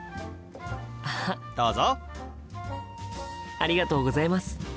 ありがとうございます。